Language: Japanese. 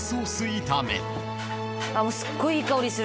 すっごいいい香りする。